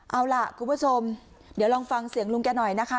เอาล่ะคุณผู้ชมเดี๋ยวลองฟังเสียงลุงแกหน่อยนะคะ